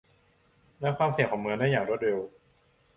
และความเสี่ยงของเมืองได้อย่างรวดเร็ว